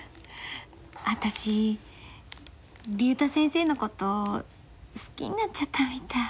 私竜太先生のこと好きになっちゃったみたい。